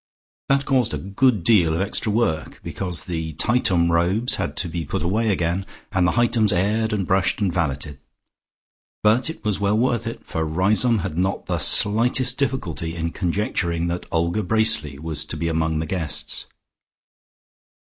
That caused a good deal of extra work, because the Tightum robes had to be put away again, and the Hightums aired and brushed and valetted. But it was well worth it, for Riseholme had not the slightest difficulty in conjecturing that Olga Bracely was to be among the guests.